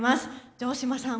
城島さん